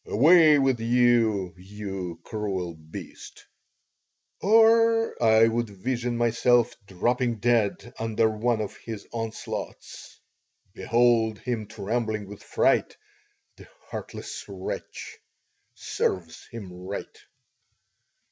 Away with you, you cruel beast!" Or I would vision myself dropping dead under one of his onslaughts. Behold him trembling with fright, the heartless wretch! Serves him right.